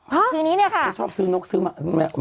เพราะทีนี้นะคะเขาชอบซื้อนกซื้อมาก